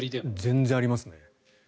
全然ありますね。